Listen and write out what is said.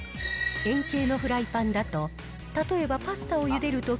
円形のフライパンだと、例えばパスタをゆでる